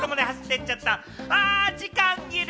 あ、時間切れ！